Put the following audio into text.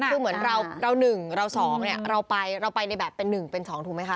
คือเหมือนเราหนึ่งเราสองเราไปในแบบเป็นหนึ่งเป็นสองถูกไหมคะ